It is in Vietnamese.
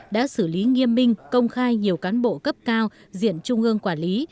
đã xử lý nghiêm minh công khai nhiều cán bộ cấp cao diện trung ương quản lý